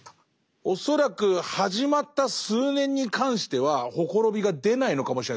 恐らく始まった数年に関してはほころびが出ないのかもしれないです